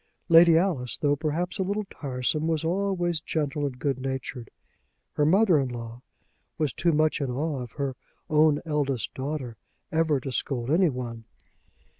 Lady Alice, though perhaps a little tiresome, was always gentle and good natured. Her mother in law was too much in awe of her own eldest daughter ever to scold anyone.